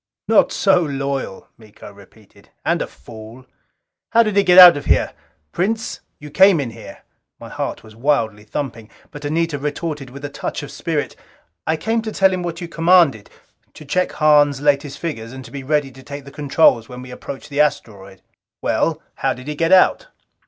"Not so loyal," Miko repeated. "And a fool!" "How did he get out of here? Prince, you came in here!" My heart was wildly thumping. But Anita retorted with a touch of spirit, "I came to tell him what you commanded. To check Hahn's latest figures and to be ready to take the controls when we approached the asteroid." "Well, how did he get out?"